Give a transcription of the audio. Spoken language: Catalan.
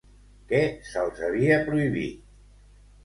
Què se'ls havia prohibit?